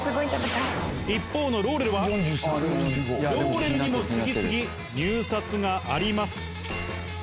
一方のローレルは次々入札があります。